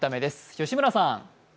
吉村さん。